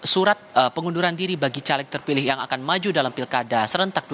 surat pengunduran diri bagi caleg terpilih yang akan maju dalam pilkada serentak dua ribu dua